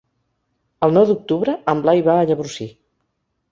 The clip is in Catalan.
El nou d'octubre en Blai va a Llavorsí.